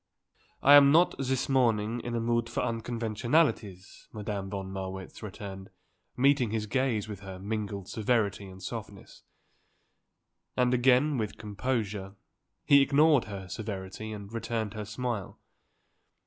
"I am not, this morning, in a mood for unconventionalities," Madame von Marwitz returned, meeting his gaze with her mingled severity and softness. And again, with composure, he ignored her severity and returned her smile.